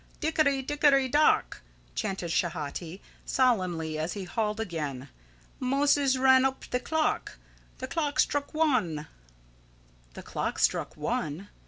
"Dickery, dickery, dock!" chanted Schehati solemnly, as he hauled again; "Moses ran up the clock. The clock struck 'one' " THE CLOCK STRUCK "ONE"?